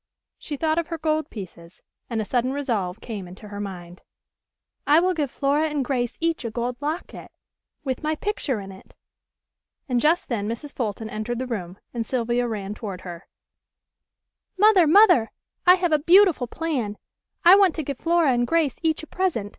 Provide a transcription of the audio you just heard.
She thought of her gold pieces, and a sudden resolve came into her mind: "I will give Flora and Grace each a gold locket, with my picture in it." And just then Mrs. Fulton entered the room, and Sylvia ran toward her: "Mother! Mother! I have a beautiful plan. I want to give Flora and Grace each a present.